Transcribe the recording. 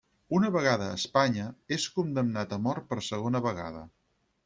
Una vegada a Espanya és condemnat a mort per segona vegada.